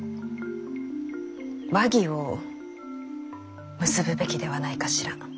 和議を結ぶべきではないかしら？